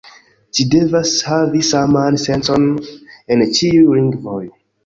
Ĝi devas havi saman sencon en ĉiuj lingvoj.